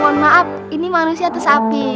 mohon maaf ini manusia atau sapi